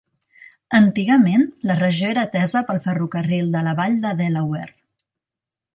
Antigament, la regió era atesa pel Ferrocarril de la Vall de Delaware.